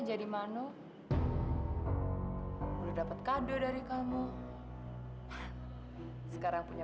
sampai jumpa di video selanjutnya